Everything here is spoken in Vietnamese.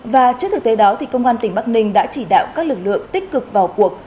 và trước thực tế đó công an tỉnh bắc ninh đã chỉ đạo các lực lượng tích cực vào cuộc